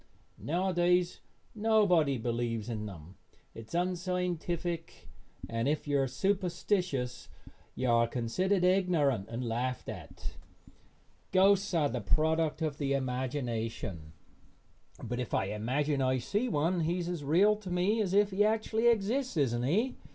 Nowadays nobody believes in them. It is unscientific, and if you are superstitious you are considered ignorant and laughed at. Ghosts are the product of the imagination, but if I imagine I see one he is as real to me as if he actually exists, isn't he?